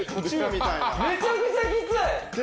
めちゃくちゃきつい！